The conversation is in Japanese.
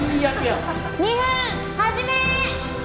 ２分始め！